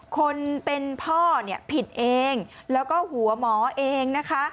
คนเป็นพ่อเนี่ยผิดเองแล้วก็หัวหมอเองนะคะ